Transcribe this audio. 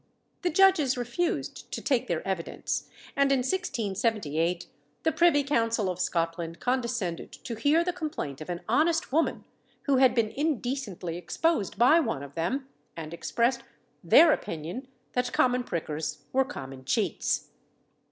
The judges refused to take their evidence; and in 1678 the privy council of Scotland condescended to hear the complaint of an honest woman who had been indecently exposed by one of them, and expressed their opinion that common prickers were common cheats.